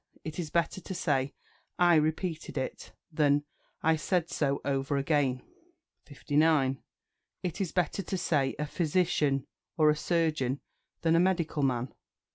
It is better to say "I repeated it," than "I said so over again." 59. It is better to say "A physician," or "A surgeon," than "A medical man."